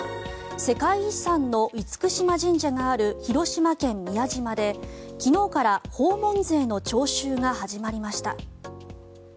世界遺産の厳島神社がある広島県・宮島で昨日から訪問税の徴収が始まりました。